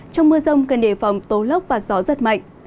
trong mưa rông cần đề phòng tố lốc và gió giật mạnh